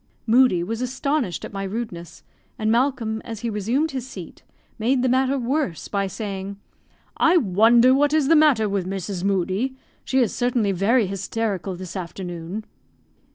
Moodie was astonished at my rudeness; and Malcolm, as he resumed his seat, made the matter worse by saying, "I wonder what is the matter with Mrs. Moodie; she is certainly very hysterical this afternoon."